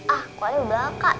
ah kok aja udah kak